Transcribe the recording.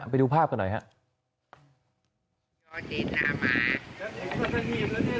ไปดูภาพกันหน่อยครับ